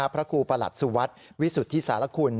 พระครูประหลัดสุวัสดิ์วิสุทธิสารคุณ